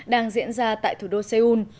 đang diễn ra tại thủ đô seoul